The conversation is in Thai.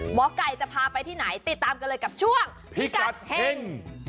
หมอไก่จะพาไปที่ไหนติดตามกันเลยกับช่วงพิกัดเห็ง